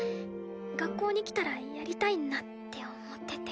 学校に来たらやりたいなって思ってて。